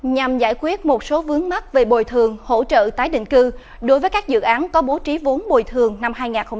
nhằm giải quyết một số vướng mắt về bồi thường hỗ trợ tái định cư đối với các dự án có bố trí vốn bồi thường năm hai nghìn hai mươi